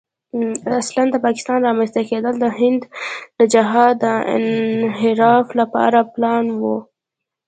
اصلاً د پاکستان رامنځته کېدل د هند د جهاد د انحراف لپاره پلان و.